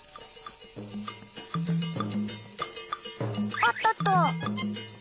おっとっと。